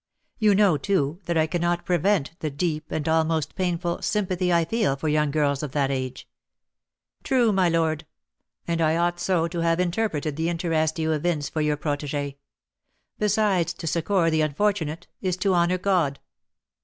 You know, too, that I cannot prevent the deep, and almost painful, sympathy I feel for young girls of that age." "True, my lord; and I ought so to have interpreted the interest you evince for your protégée. Besides, to succour the unfortunate is to honour God."